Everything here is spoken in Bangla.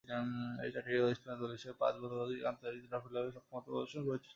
এ চারটি দল স্পেনের দল হিসেবে পাঁচ বা ততোধিক আন্তর্জাতিক ট্রফি লাভে সক্ষমতা প্রদর্শন করেছে।